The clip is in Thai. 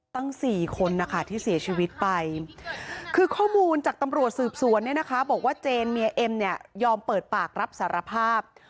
ตั้ง๔คนนะคะที่เสียชีวิตไปคือข้อมูลจากตำรวจสืบสวนเนี่ยนะคะบอกว่าเจนเมียเอ็มเนี่ยยอมเปิดปากรับสารภาพ